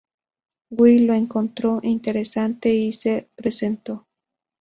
Will lo encontró interesante y se presentó.